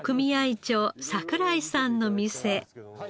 長櫻井さんの店。